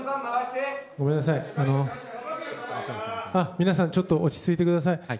皆さんちょっと落ち着いてください。